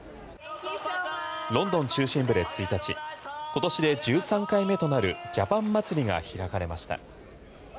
ロンドン中心部で１日今年で１３回目となるジャパン祭りが開かれました。